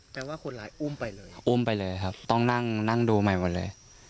แต่ว่าคนร้ายอุ้มไปเลยครับอุ้มไปเลยครับต้องนั่งนั่งดูใหม่หมดเลย